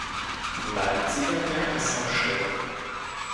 Leipziger Jahresausstellung.